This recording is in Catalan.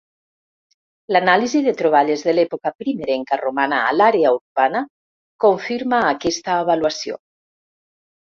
L'anàlisi de troballes de l'època primerenca romana a l'àrea urbana, confirma aquesta avaluació.